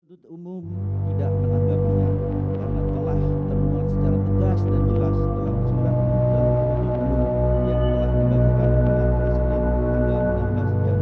sebut umum tidak akan terbunyai karena telah terbuat secara tegas dan jelas dalam sebuah penelitian umum yang telah dibangun oleh pemerintah di sekitar